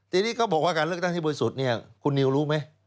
ทีนี้เขาบอกว่าการเลือกตั้งที่บริสุทธิ์เนี่ยคุณนิวรู้ไหม